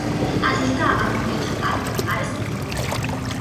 ათეშგა აგურით არის ნაგები.